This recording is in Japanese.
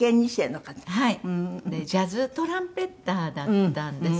ジャズトランペッターだったんです。